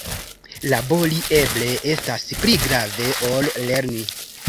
Labori eble estas pli grave ol lerni.